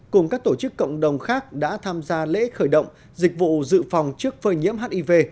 cùng các tổ chức cộng đồng khác đã tham gia lễ khởi động dịch vụ dự phòng trước phơi nhiễm hiv